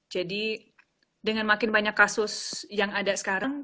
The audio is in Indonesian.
jadi dengan makin banyak kasus yang ada sekarang